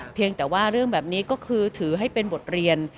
เพียงแต่ว่าเรื่องแบบนี้ก็คือถือให้เป็นบทเรียน